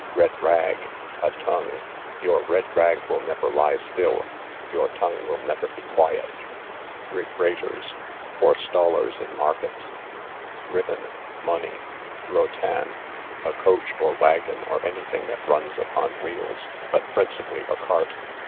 Red rag, a tongue; your red rag will never lie still, your tongue will never be quiet. Regraters, forestallers in markets. Ribben, money. Rotan, a coach, or wagon, or any thing that runs upon wheels, but principally a cart.